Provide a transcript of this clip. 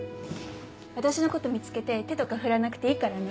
私のこと見つけて手とか振らなくていいからね。